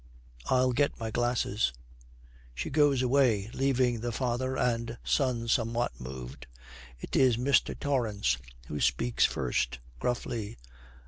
I'll get my glasses.' She goes away, leaving the father and son somewhat moved. It is Mr. Torrance who speaks first, gruffly.